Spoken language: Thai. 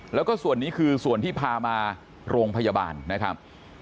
แล้วก็ส่วนนี้คือส่วนที่พามาโรงพยาบาลนะครับ